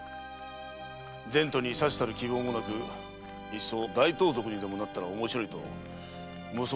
前途にさしたる希望もなくいっそ大盗賊にでもなったら面白いと夢想したりしておる。